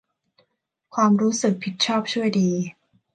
ความรู้สึกผิดชอบชั่วดี